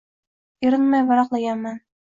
Erinmay varaqlaganman.